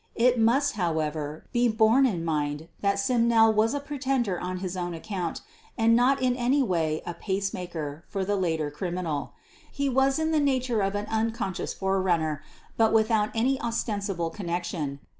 It must, however, be borne in mind that Simnel was a pretender on his own account and not in any way a "pacemaker" for the later criminal; he was in the nature of an unconscious forerunner, but without any ostensible connection.